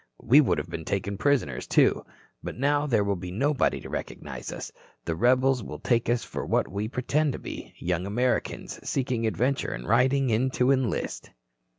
We would have been taken prisoners, too. But now there will be nobody to recognize us. The rebels will take us for what we pretend to be, young Americans seeking adventure and riding in to enlist."